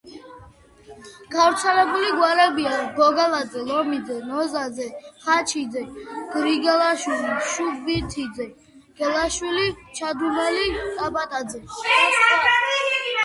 გავრცელებული გვარებია: გოგალაძე, ლომიძე, ნოზაძე, ხაჩიძე, გრიგალაშვილი, შუბითიძე, გელაშვილი, ჩადუნელი, ტაბატაძე და სხვა.